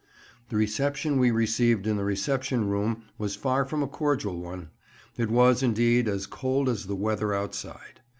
The reception we received in the Reception Room was far from a cordial one; it was, indeed, as cold as the weather outside.